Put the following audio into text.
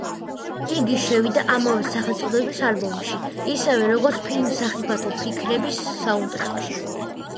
იგი შევიდა ამავე სახელწოდების ალბომში, ისევე, როგორც ფილმ „სახიფათო ფიქრების“ საუნდტრეკში.